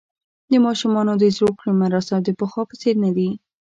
د ماشومانو د زوکړې مراسم د پخوا په څېر نه دي.